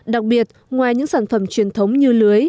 đặc biệt ngoài những sản phẩm truyền thống như lưới